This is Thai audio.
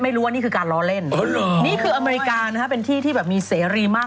ไม่รู้ว่านี่คือการล้อเล่นนี่คืออเมริกาเป็นที่ที่มีเสรีมาก